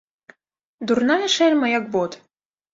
Дурная шэльма, як бот.